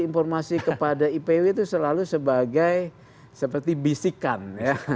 informasi kepada ipw itu selalu sebagai seperti bisikan ya